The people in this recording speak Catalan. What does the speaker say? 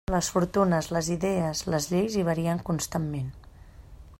Les fortunes, les idees, les lleis hi varien constantment.